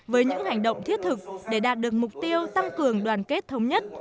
với những hành động thiết thực để đạt được mục tiêu tăng cường đoàn kết thống nhất